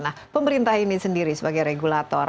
nah pemerintah ini sendiri sebagai regulator